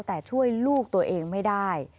แต่ช่วยลูกตัวเองไม่ได้